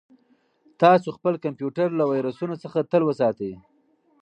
تاسو خپل کمپیوټر له ویروسونو څخه تل وساتئ.